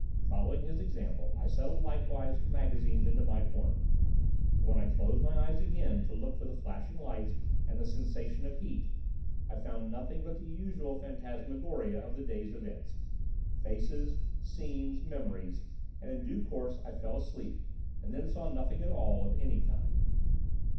Following his example I settled likewise with magazines into my corner. But when I closed my eyes again to look for the flashing lights and the sensation of heat, I found nothing but the usual phantasmagoria of the day's events—faces, scenes, memories,—and in due course I fell asleep and then saw nothing at all of any kind.